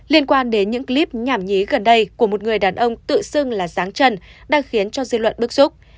liên quan đến những clip nhảm nhí gần đây của một người đàn ông tự xưng là ráng chân đang khiến cho dư luận bức xúc